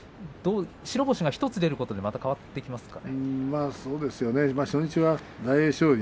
白星１つ出てくることで変わってきますか。